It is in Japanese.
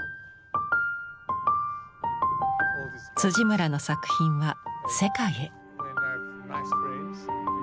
村の作品は世界へ。